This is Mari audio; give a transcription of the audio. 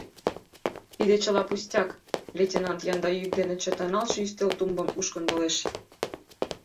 Тиде чыла пустяк, — лейтенант янда йӱк дене чытырналтше ӱстел тумбым мушкындылеш.